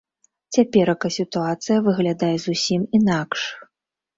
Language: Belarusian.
Цяперака сітуацыя выглядае зусім інакш.